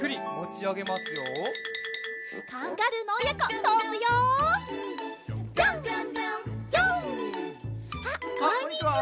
あっこんにちは。